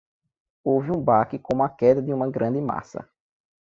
Houve um baque como a queda de uma grande massa.